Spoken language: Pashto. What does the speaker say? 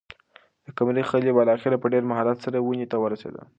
د قمرۍ خلی بالاخره په ډېر مهارت سره ونې ته ورسېد.